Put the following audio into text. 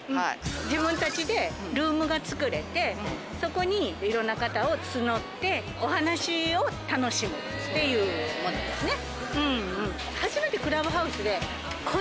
自分たちでルームが作れてそこにいろんな方を募ってお話を楽しむっていうものですね。